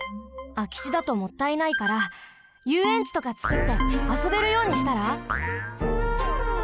あきちだともったいないからゆうえんちとかつくってあそべるようにしたら？